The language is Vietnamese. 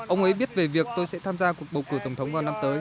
ông ấy biết về việc tôi sẽ tham gia cuộc bầu cử tổng thống vào năm tới